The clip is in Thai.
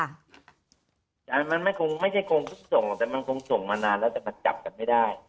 อาจารย์มันคงไม่ใช่คงส่งแต่มันคงส่งมานานแล้วแต่มันจับกันไม่ได้